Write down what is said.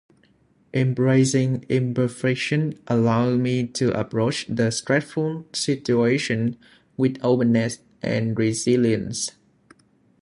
Embracing imperfection allows me to approach the stressful situation with openness and resilience.